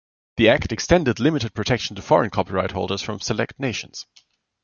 The act extended limited protection to foreign copyright holders from select nations.